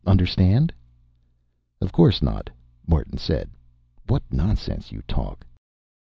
Understand?" "Of course not," Martin said. "What nonsense you talk."